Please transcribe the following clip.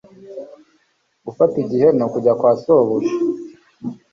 gufata igihe nu kujya kwa sobuja